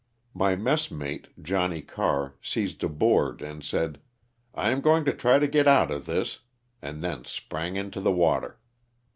My messmate, Johnny Carr, seized a board and said, '^ I am going to try to get out of this," and then sprang into the water.